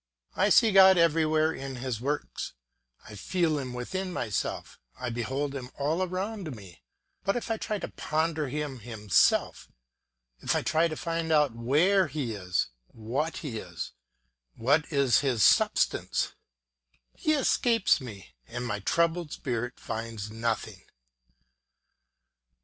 I see God everywhere in his works; I feel him within myself; I behold him all around me; but if I try to ponder him himself, if I try to find out where he is, what he is, what is his substance, he escapes me and my troubled spirit finds nothing.